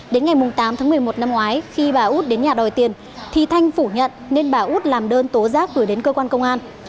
đến ngày tám tháng một mươi một năm ngoái khi bà út đến nhà đòi tiền thì thanh phủ nhận nên bà út làm đơn tố giác gửi đến cơ quan công an